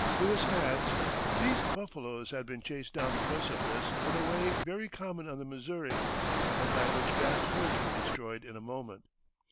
Lewis adds: "These buffaloes had been chased down the precipice in a way very common on the Missouri, and by which vast herds are destroyed in a moment.